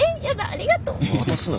ありがとう！渡すな。